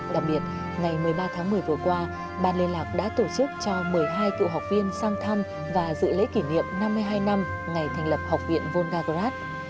đặc biệt ngày một mươi ba tháng một mươi vừa qua ban liên lạc đã tổ chức cho một mươi hai cựu học viên sang thăm và dự lễ kỷ niệm năm mươi hai năm ngày thành lập học viện volgarat